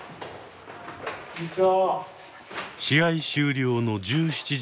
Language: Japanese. こんにちは。